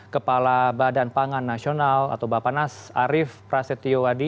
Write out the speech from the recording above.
kepala badan pangan nasional atau bapak nas arief prasetyo wadi